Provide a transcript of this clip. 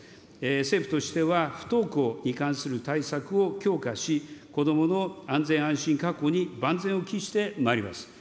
政府としては、不登校に関する対策を強化し、子どもの安全安心確保に万全を期してまいります。